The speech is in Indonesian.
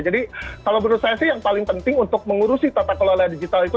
jadi kalau menurut saya sih yang paling penting untuk mengurusi tata kelola digital itu